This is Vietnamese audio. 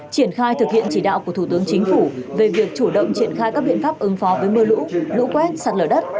triển khai thực hiện chỉ đạo của thủ tướng chính phủ về việc chủ động triển khai các biện pháp ứng phó với mưa lũ lũ quét sạt lở đất